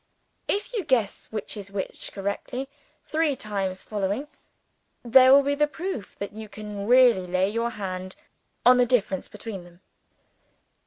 If you guess which is which correctly three times following, there will be the proof that you can really lay your hand on a difference between them."